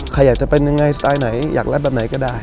ใครอยากจะเป็นยังไงสไตล์ไหนอยากรัดแบบไหนก็ได้